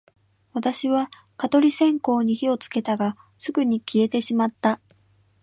私は蚊取り線香に火をつけたが、すぐに消えてしまった